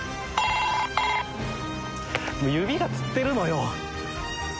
指がつってるのよ。